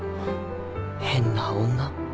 変な女。